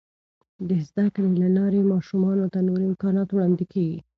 د زده کړې له لارې، ماشومانو ته نور امکانات وړاندې کیږي.